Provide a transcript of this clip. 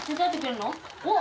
おっ！